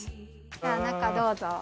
じゃあ中どうぞ。